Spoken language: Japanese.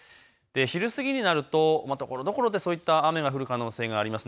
昼過ぎになると、ところどころそういった雨降る可能性があります。